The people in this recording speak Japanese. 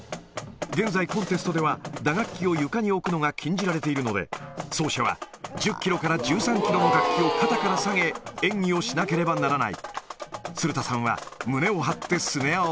現在、コンテストでは打楽器を床に置くのが禁じられているので、奏者は１０キロから１３キロの楽器を肩からさげ、演技をしなければならない。